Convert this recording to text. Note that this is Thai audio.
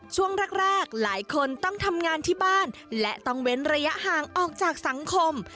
ช่วงแรกหลายคนต้องทำงานที่บ้านและต้องเว้นระยะห่างออกจากสังคม